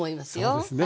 そうですね。